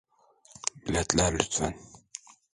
Biletler lütfen.